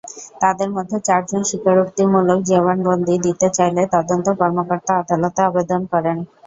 তাঁদের মধ্যে চারজন স্বীকারোক্তিমূলক জবানবন্দি দিতে চাইলে তদন্ত কর্মকর্তা আদালতে আবেদন করেন।